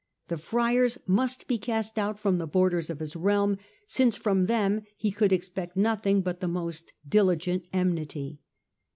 The friars must be cast out from the borders of his realm, since from them he could expect nothing but the most dili gent enmity.